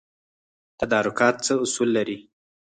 تدارکات څه اصول لري؟